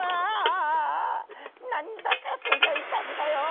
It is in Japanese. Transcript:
何だかすごい数だよ。